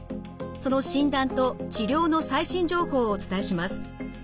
その診断と治療の最新情報をお伝えします。